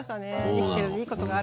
生きてるといいことがある。